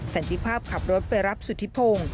สันติภาพขับรถไปรับสุธิพงศ์